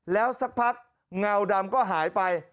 แล้วสักพักเงาดำก็หายไป